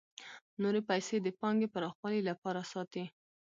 نورې پیسې د پانګې پراخوالي لپاره ساتي